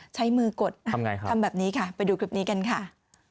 ใช้มือกดทำแบบนี้ค่ะไปดูคลิปนี้กันค่ะ